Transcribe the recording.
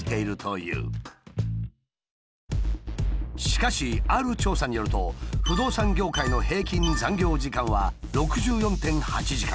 しかしある調査によると不動産業界の平均残業時間は６４．８時間。